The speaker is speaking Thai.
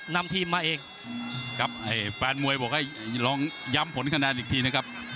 นำทีมมาอีกครับแฟนมวยบอกให้ลองย้ำผลคะแนนอีกทีนะครับ